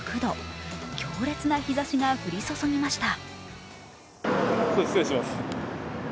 強烈な日ざしが降り注ぎました。